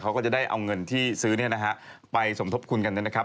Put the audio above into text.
เขาก็จะได้เอาเงินที่ซื้อไปสมทบคุณกันนั้น